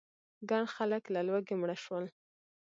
ګڼ خلک له لوږې مړه شول.